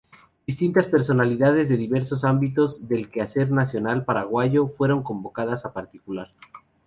Distintas personalidades de diversos ámbitos del quehacer nacional paraguayo fueron convocadas a participar.